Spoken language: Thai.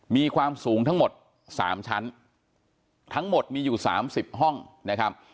มีความสูงทั้งหมด๓ชั้นทั้งหมดมีอยู่๓๐ห้องนะครับ